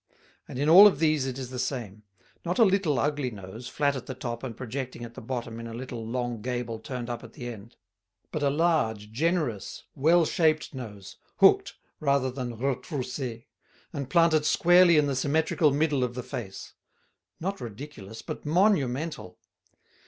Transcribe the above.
And in all of these it is the same: not a little ugly nose, flat at the top and projecting at the bottom in a little long gable turned up at the end; but a large, generous, well shaped nose, hooked rather than retroussé, and planted squarely in the symmetrical middle of the face; not ridiculous, but monumental!